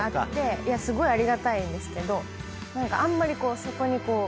すごいありがたいんですけどあんまりそこにこう。